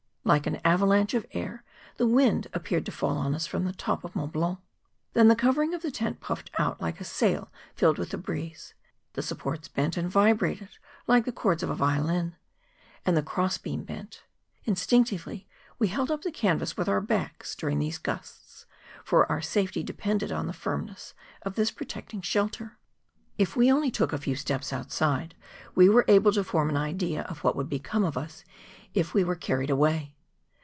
Like an avalanche of air, the wind appeared to fall on us from the top of Mont Blanc. Then the covering of the tent puffed out like a sail filled with the breeze ; the supports bent and vibrated like the cords of a violin, and the cross beam bent. Instinctively we held up the canvass with our backs during these gusts, for our safety depended on the firmness of this protecting shelter; if we only took MONT BLANC. 25 a few steps outside we were able to form an idea of what would become of us if it were carried away.